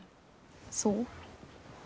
そう。